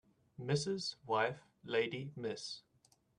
Mrs. wife lady Miss